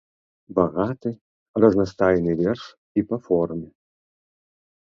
Багаты, разнастайны верш і па форме.